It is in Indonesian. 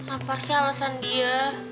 apa sih alasan dia